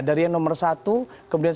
dari yang nomor satu